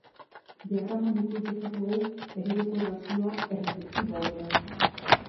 Diagraman ikus dezakegu, ereduko erlazioa erreflexiboa dela.